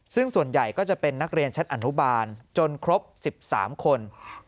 ซึ่งส่วนใหญ่ก็จะเป็นนักเรียนชั้นอนุบาลจนครบ๑๓คน